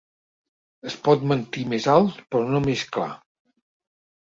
Es pot mentir més alt però no més clar.